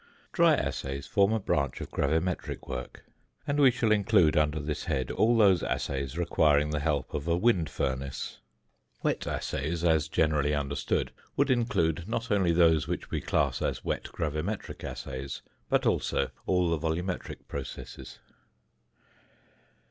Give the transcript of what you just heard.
Dry assays form a branch of gravimetric work, and we shall include under this head all those assays requiring the help of a wind furnace. Wet assays, as generally understood, would include not only those which we class as wet gravimetric assays, but also all the volumetric processes.